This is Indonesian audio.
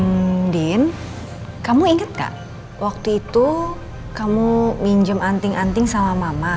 ambil kamu ingetkan waktu itu kamu minjem anting anting sama mama mono